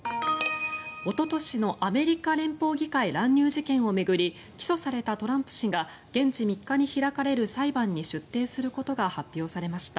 おととしのアメリカ連邦議会乱入事件を巡り起訴されたトランプ氏が現地３日に開かれる裁判に出廷することが発表されました。